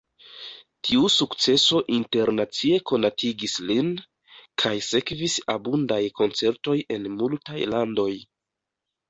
Tiu sukceso internacie konatigis lin, kaj sekvis abundaj koncertoj en multaj landoj.